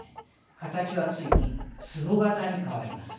形はついにつぼ形に変わります。